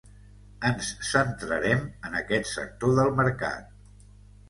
Ens centrarem en aquest sector del mercat.